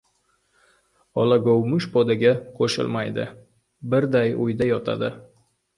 Ola govmish podaga ko‘shilmaydi, birday uyda yotadi.